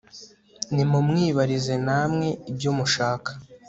nimumwibarize namwe ibyo mushaka